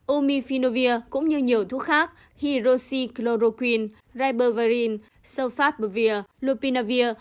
umifinovir cũng như nhiều thuốc khác hirose chloroquine ribavirin sulfabvir lupinavir